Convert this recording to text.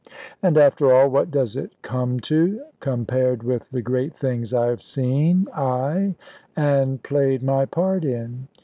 And after all, what does it come to, compared with the great things I have seen, ay, and played my part in?"